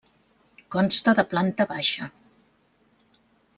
Consta de planta baixa.